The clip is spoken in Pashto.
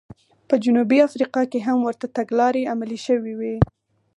په جنوبي افریقا کې هم ورته تګلارې عملي شوې وې.